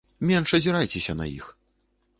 Менш азірайцеся на іх.